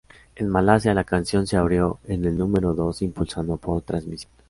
En Malasia, la canción se abrió en el número dos impulsado por transmisión.